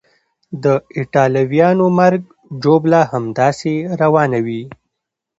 که د ایټالویانو مرګ ژوبله همداسې روانه وي.